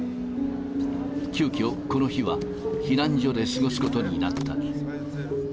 急きょ、この日は避難所で過ごすことになった。